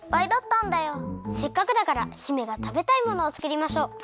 せっかくだから姫がたべたいものをつくりましょう！